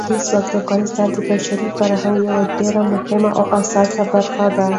لمریز ځواک د افغانستان د بشري فرهنګ یوه ډېره مهمه او اساسي برخه ده.